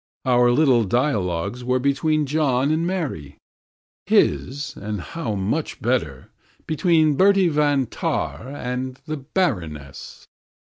Our little dialogues were between John and Mary; his, and how much better, between Bertie van Tahn and the Baroness.